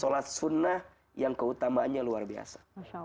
sholat sunnah yang keutamaannya luar biasa